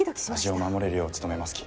「味を守れるよう努めますき」。